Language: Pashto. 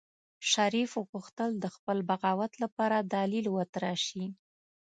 شريف غوښتل د خپل بغاوت لپاره دليل وتراشي.